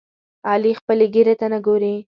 علي خپلې ګیرې ته نه ګوري.